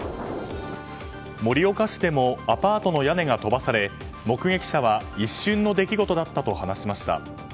盛岡市でもアパートの屋根が飛ばされ目撃者は一瞬の出来事だったと話しました。